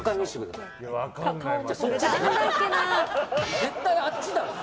絶対あっちだろ！